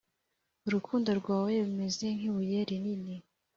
urukundo rwawe rumeze nk’ibuye rinini